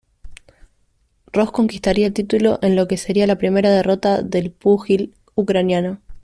Ross conquistaría el título en lo que sería la primera derrota del púgil ucraniano.